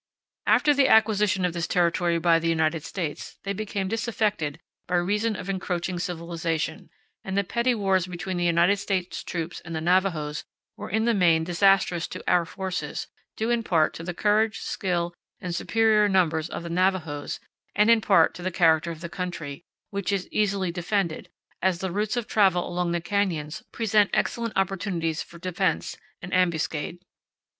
After the acquisition of this territory by the United States they became disaffected by reason of encroaching civilization, and the petty wars between United States troops and the Navajos were in the main disastrous to our forces, due in part to the courage, skill, and superior numbers of the Navajos and in part to the character of the country, which is easily defended, as the routes of travel along the canyons present excellent opportunities for defense and ambuscade.